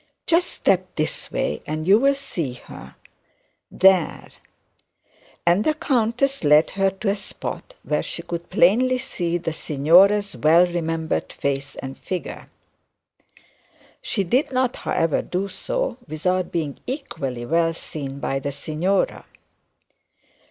just step this way and you'll see her, there ' and the countess led her to a spot where she could plainly see the signora's well remembered face and figure. She did not however do so without being equally well seen by the signora.